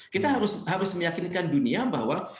kita harus meyakinkan dunia bahwa